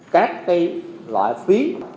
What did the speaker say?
các cái loại phí